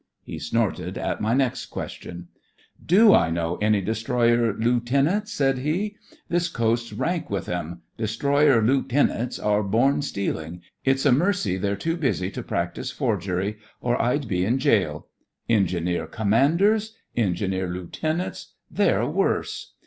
He snorted at my next question. "Do I know any destroy er looten ants.'" said he. "This coast's rank with 'em! Destroyer lootenants are born stealing. It's a mercy they's too busy to practise forgery, or I'd be in gaoL Engineer Commanders? En gineer Lootenants? They're worse!